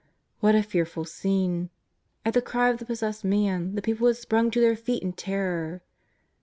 What a fearful scene ! At the cry of the possessed man the people had sprung to their feet in terror.